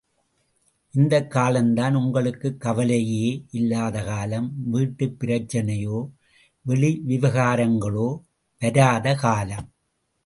இந்தக் காலம் தான் உங்களுக்கு கவலையே இல்லாத காலம், வீட்டுப் பிரச்சினையோ, வெளி விவகாரங்களோ வராத காலம்.